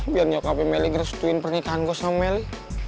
biar nyokapnya meli ngeresetuin pernikahan gue sama meli